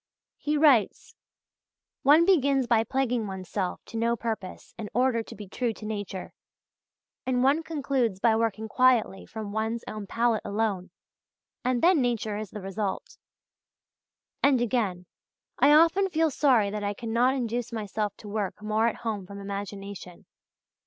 He writes: "One begins by plaguing oneself to no purpose in order to be true to nature, and one concludes by working quietly from one's own palette alone, and then nature is the result" (page 30). And again: "I often feel sorry that I cannot induce myself to work more at home from imagination.